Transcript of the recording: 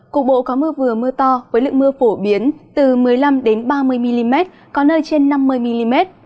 cục bộ có mưa vừa mưa to với lượng mưa phổ biến từ một mươi năm ba mươi mm có nơi trên năm mươi mm